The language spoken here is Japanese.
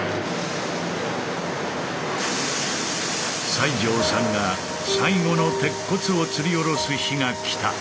西城さんが最後の鉄骨をつり下ろす日が来た。